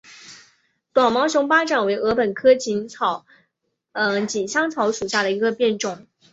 短毛熊巴掌为禾本科锦香草属下的一个变种。